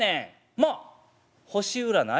「まあ星占い？」。